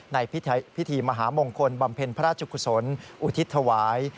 ในพิธีมหามงคลบำเพ็ญพระราชกุศลอุทิศถวาย